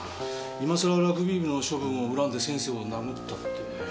今さらラグビー部の処分を恨んで先生を殴ったって。